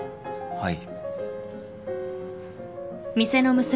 はい。